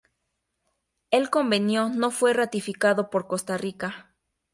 El convenio no fue ratificado por Costa Rica.